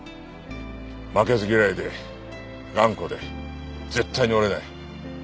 負けず嫌いで頑固で絶対に折れない。